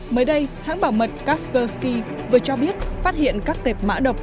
mới đây hãng bảo mật kaspersky vừa cho biết phát hiện các tệp mã đọc